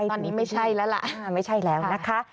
ตอนนี้ไม่ใช่แล้วล่ะค่ะค่ะไม่ใช่แล้วนะคะค่ะ